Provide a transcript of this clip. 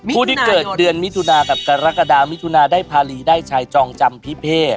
ผู้ที่เกิดเดือนมิถุนากับกรกฎามิถุนาได้ภารีได้ชายจองจำพิเพศ